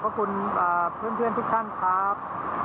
ขอบคุณเพื่อนทุกท่านครับ